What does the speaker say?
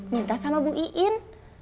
minta sama bu iin